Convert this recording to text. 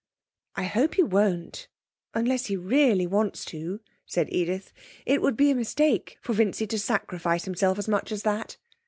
'I hope he won't, unless he really wants to,' said Edith. 'It would be a mistake for Vincy to sacrifice himself as much as that.'